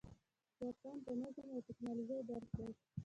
جاپان د نظم او ټکنالوژۍ درس دی.